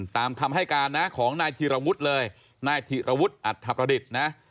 ตามคำให้การนะของนายธีรวุฒิเลยนายธิรวุฒิอัธประดิษฐ์นะ